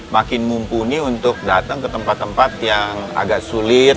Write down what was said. makin mumpuni untuk datang ke tempat tempat yang agak sulit